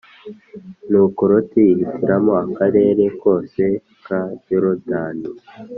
dNuko Loti yihitiramo Akarere kose ka Yorodani